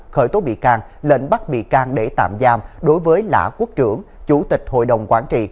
khởi tố bị can lệnh bắt bị can để tạm giam đối với lã quốc trưởng chủ tịch hội đồng quản trị